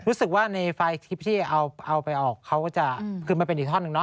รู้สึกว่าในไฟล์ทริปที่เอาไปออกเขาก็จะคือมันเป็นอีกท่อนหนึ่งเนาะ